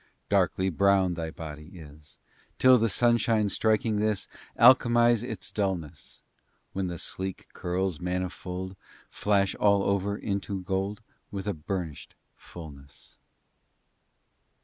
III Darkly brown thy body is, Till the sunshine striking this Alchemize its dulness, When the sleek curls manifold Flash all over into gold With a burnished fulness.